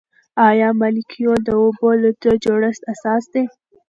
آیا مالیکول د اوبو د جوړښت اساس دی؟